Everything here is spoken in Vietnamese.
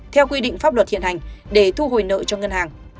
theo quy định pháp luật hiện hành để thu hồi nợ cho ngân hàng